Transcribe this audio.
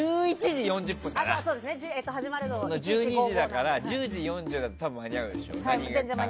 １２時に始まるから１０時４０分だと間に合うでしょ。